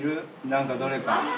何かどれか。